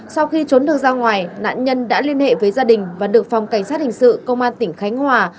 sau khi trốn được ra ngoài nạn nhân đã liên hệ với gia đình và được phòng cảnh sát hình sự công an tỉnh khánh hòa